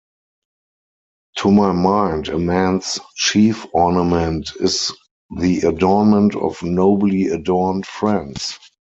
To my mind a man's chief ornament is the adornment of nobly-adorned friends.